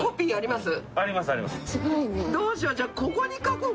どうしよう。